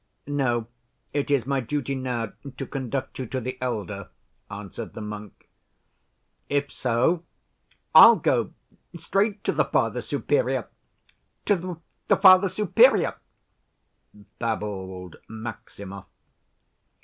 "No, it is my duty now to conduct you to the elder," answered the monk. "If so I'll go straight to the Father Superior—to the Father Superior," babbled Maximov.